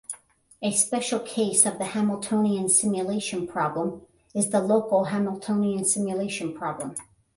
A special case of the Hamiltonian simulation problem is the local Hamiltonian simulation problem.